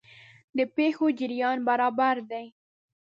د پېښو جریان برابر دی.